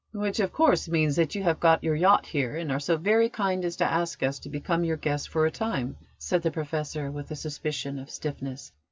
'" "Which, of course, means that you have got your yacht here, and are so very kind as to ask us to become your guests for a time," said the Professor, with a suspicion of stiffness.